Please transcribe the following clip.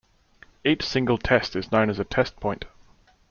Each single test is known as a Test Point.